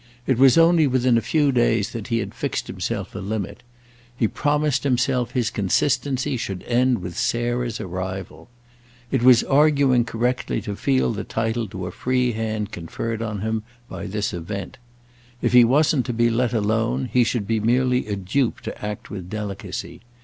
It was only within a few days that he had fixed himself a limit: he promised himself his consistency should end with Sarah's arrival. It was arguing correctly to feel the title to a free hand conferred on him by this event. If he wasn't to be let alone he should be merely a dupe to act with delicacy.